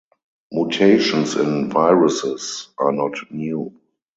Mutations in viruses are not new.